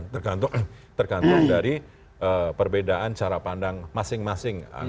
tergantung dari perbedaan cara pandang masing masing